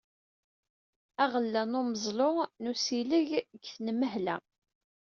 Aɣella n Umeẓlu n Usileɣ deg Tenmehla.